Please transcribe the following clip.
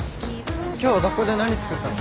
今日は学校で何作ったの？